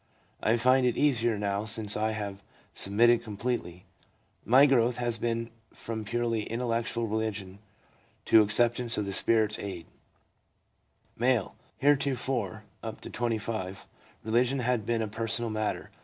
I find it easier now since I have submitted completely. My growth has been from purely intellectual religion to acceptance of the Spirit's aid/ M. * Heretofore (up to 25) religion had been a personal matter.